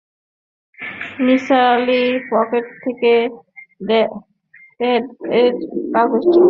Nisar Ali pocket থেকে প্যাডের কাগজটি বের করে বললেন, ভালো করে।